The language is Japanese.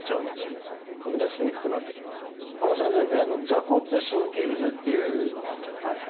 座骨神経痛っていうのがあるじゃないですか。